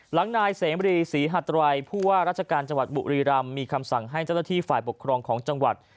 หลังนายเสมรีศรีหัตรัยผู้ว่าราชการจังหวัดบุรีรำมีคำสั่งให้เจ้าหน้าที่ฝ่ายปกครองของจังหวัด